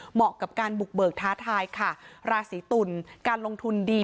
เหมาะกับการบุกเบิกท้าทายค่ะราศีตุลการลงทุนดี